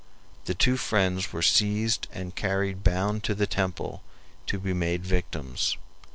The two friends were seized and carried bound to the temple to be made victims.